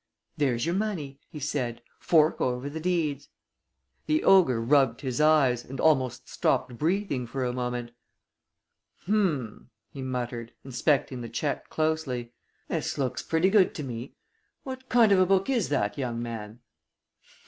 "There's your money," he said. "Fork over the deeds." The ogre rubbed his eyes, and almost stopped breathing for a moment. "H'm!" he muttered, inspecting the check closely. "This looks pretty good to me. What kind of a book is that, young man?"